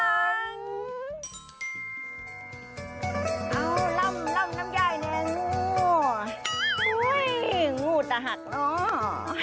เอ้าเล่าน้ำย่ายแน่โอ้โอ้โอ้ยงูตะหักเนาะ